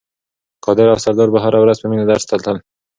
قادر او سردار به هره ورځ په مینه درس ته تلل.